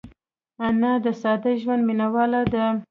انا د ساده ژوند مینهواله ده